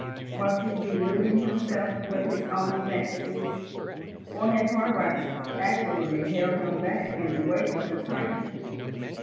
Was he deluding himself with his own fancies, or had Horrocks actually held him back in the way of the train?